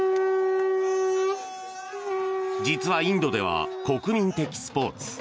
実はインドでは国民的スポーツ。